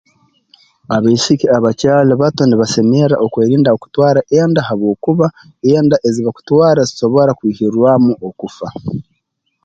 Abaisiki abakyali bato nibasemerra okwerinda okutwara enda habwokuba enda ezi bakutwara zisobora kwihirirwamu okufa